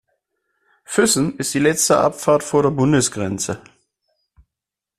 Füssen ist die letzte Abfahrt vor der Bundesgrenze.